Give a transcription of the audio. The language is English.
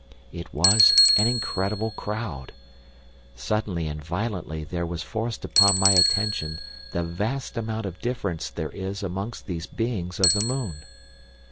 "It was an incredible crowd. Suddenly and violently there was forced upon my attention the vast amount of difference there is amongst these beings of the moon.